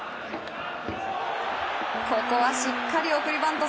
ここはしっかり送りバント